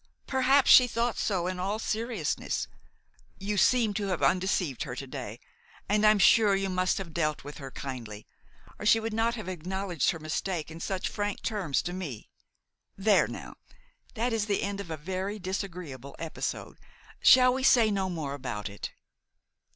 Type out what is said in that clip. "Perhaps she thought so in all seriousness. You seem to have undeceived her to day, and I am sure you must have dealt with her kindly, or she would not have acknowledged her mistake in such frank terms to me. There, now! That is the end of a very disagreeable episode. Shall we say no more about it?"